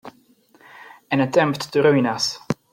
An attempt to ruin us!